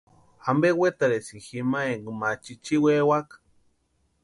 ¿Ampe wetarhisïni jima énka ma chichiwaewaka?